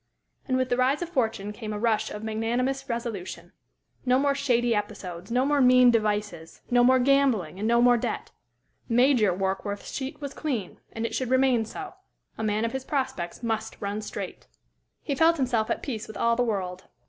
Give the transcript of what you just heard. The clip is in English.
And with the rise of fortune came a rush of magnanimous resolution. No more shady episodes; no more mean devices; no more gambling, and no more debt. Major Warkworth's sheet was clean, and it should remain so. A man of his prospects must run straight. He felt himself at peace with all the world.